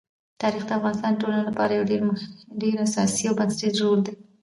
تاریخ د افغانستان د ټولنې لپاره یو ډېر اساسي او بنسټيز رول لري.